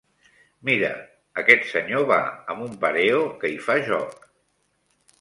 Mira, aquest senyor va amb un pareo que hi fa joc.